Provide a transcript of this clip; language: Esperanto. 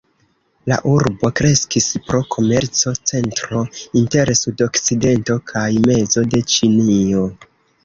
La urbo kreskis pro komerco-centro inter sudokcidento kaj mezo de Ĉinio.